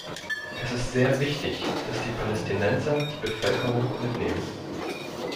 Es ist sehr wichtig, dass die Palästinenser die Bevölkerung mitnehmen.